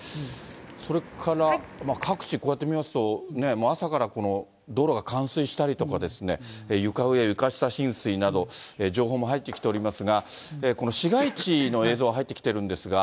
それから、各地、こうやって見ますとね、朝から道路が冠水したりとか、床上、床下浸水など、情報も入ってきておりますが、この市街地の映像が入ってきているんですが。